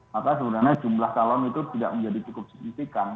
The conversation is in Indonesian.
maka sebenarnya jumlah calon itu tidak menjadi cukup signifikan